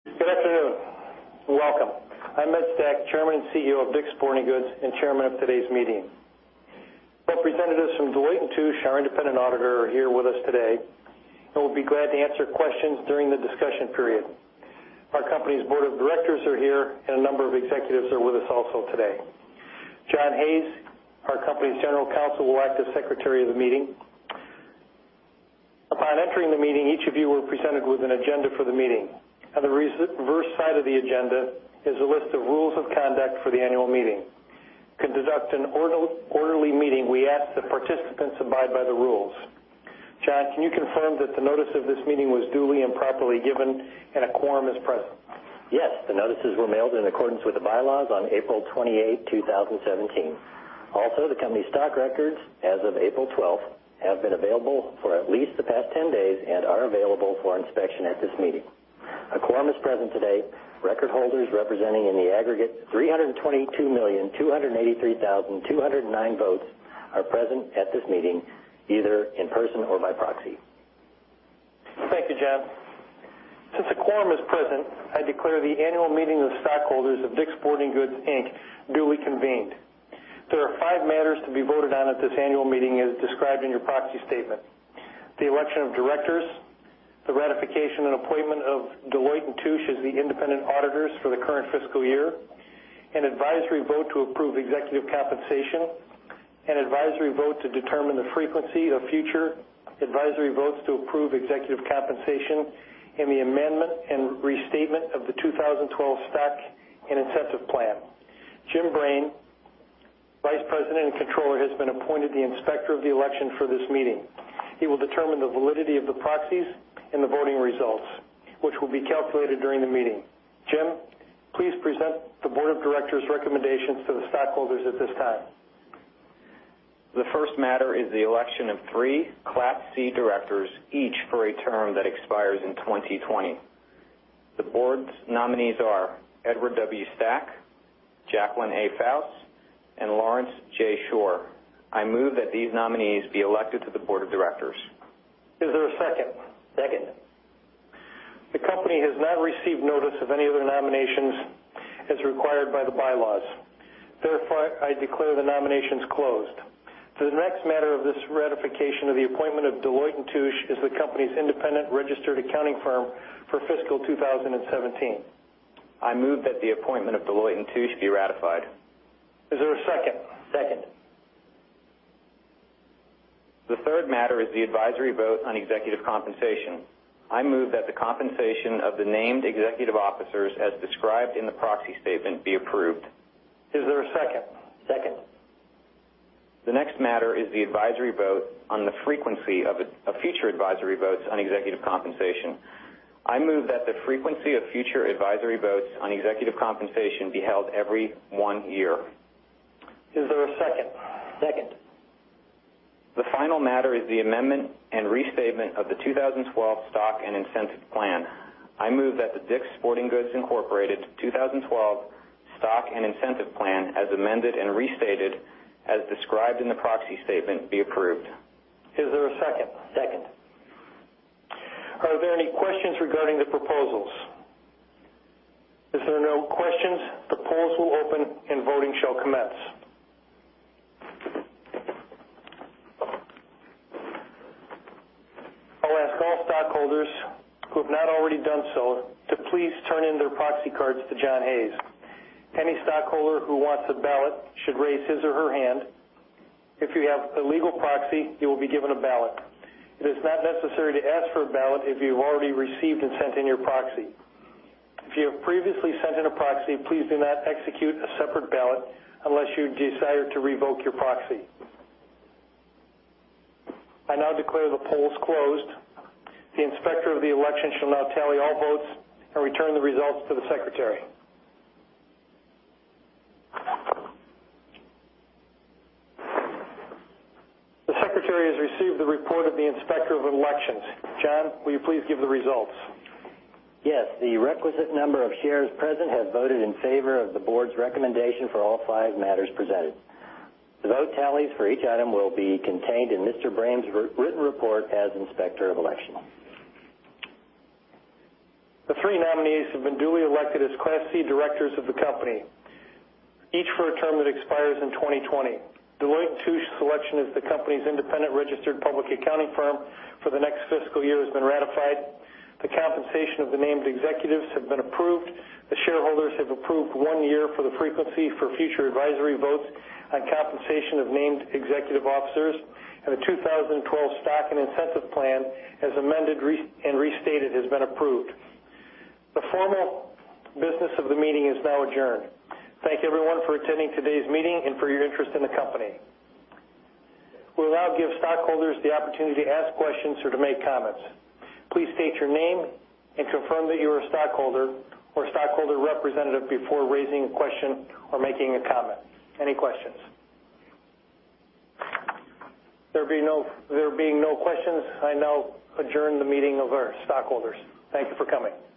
Good afternoon. Welcome. I'm Ed Stack, Chairman and CEO of DICK’S Sporting Goods and chairman of today's meeting. Representatives from Deloitte & Touche, our independent auditor, are here with us today and will be glad to answer questions during the discussion period. Our company's board of directors are here, and a number of executives are with us also today. John Hayes, our company's General Counsel, will act as Secretary of the meeting. Upon entering the meeting, each of you were presented with an agenda for the meeting. On the reverse side of the agenda is a list of rules of conduct for the annual meeting. To conduct an orderly meeting, we ask that participants abide by the rules. John, can you confirm that the notice of this meeting was duly and properly given and a quorum is present? Yes. The notices were mailed in accordance with the bylaws on April 28, 2017. Also, the company stock records, as of April 12th, have been available for at least the past 10 days and are available for inspection at this meeting. A quorum is present today. Record holders representing in the aggregate 322,283,209 votes are present at this meeting, either in person or by proxy. Thank you, John. Since a quorum is present, I declare the annual meeting of stockholders of DICK’S Sporting Goods Inc. duly convened. There are five matters to be voted on at this annual meeting as described in your proxy statement: the election of directors, the ratification and appointment of Deloitte & Touche as the independent auditors for the current fiscal year, an advisory vote to approve executive compensation, an advisory vote to determine the frequency of future advisory votes to approve executive compensation, and the amendment and restatement of the 2012 Stock and Incentive Plan. Jim Griesmer, Vice President and Controller, has been appointed the Inspector of the election for this meeting. He will determine the validity of the proxies and the voting results, which will be calculated during the meeting. Jim, please present the board of directors' recommendations to the stockholders at this time. The first matter is the election of three Class C directors, each for a term that expires in 2020. The board's nominees are Edward W. Stack, Jacqueline A. Fuge, and Lawrence J. Schorr. I move that these nominees be elected to the board of directors. Is there a second? Second. The company has not received notice of any other nominations as required by the bylaws. Therefore, I declare the nominations closed. The next matter is this ratification of the appointment of Deloitte & Touche as the company's independent registered accounting firm for fiscal 2017. I move that the appointment of Deloitte & Touche be ratified. Is there a second? Second. The third matter is the advisory vote on executive compensation. I move that the compensation of the named executive officers as described in the proxy statement be approved. Is there a second? Second. The next matter is the advisory vote on the frequency of future advisory votes on executive compensation. I move that the frequency of future advisory votes on executive compensation be held every one year. Is there a second? Second. The final matter is the amendment and restatement of the 2012 Stock and Incentive Plan. I move that the DICK’S Sporting Goods Incorporated 2012 Stock and Incentive Plan, as amended and restated, as described in the proxy statement, be approved. Is there a second? Second. Are there any questions regarding the proposals? As there are no questions, the polls will open and voting shall commence. I'll ask all stockholders who have not already done so to please turn in their proxy cards to John Hayes. Any stockholder who wants a ballot should raise his or her hand. If you have a legal proxy, you will be given a ballot. It is not necessary to ask for a ballot if you've already received and sent in your proxy. If you have previously sent in a proxy, please do not execute a separate ballot unless you desire to revoke your proxy. I now declare the polls closed. The Inspector of the election shall now tally all votes and return the results to the Secretary. The Secretary has received the report of the Inspector of Elections. John, will you please give the results? Yes. The requisite number of shares present have voted in favor of the board's recommendation for all five matters presented. The vote tallies for each item will be contained in Mr. Griesmer's written report as Inspector of Election. The three nominees have been duly elected as Class C directors of the company, each for a term that expires in 2020. Deloitte & Touche's selection as the company's independent registered public accounting firm for the next fiscal year has been ratified. The compensation of the named executives have been approved. The shareholders have approved one year for the frequency for future advisory votes on compensation of named executive officers, and the 2012 Stock and Incentive Plan, as amended and restated, has been approved. The formal business of the meeting is now adjourned. Thank everyone for attending today's meeting and for your interest in the company. We will now give stockholders the opportunity to ask questions or to make comments. Please state your name and confirm that you're a stockholder or a stockholder representative before raising a question or making a comment. Any questions? There being no questions, I now adjourn the meeting of our stockholders. Thank you for coming.